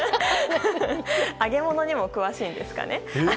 揚げ物にも詳しいんですかね。